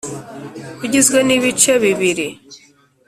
ugizwe n’ibice bibiri